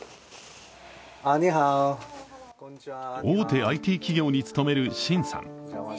大手ＩＴ企業に勤める秦さん。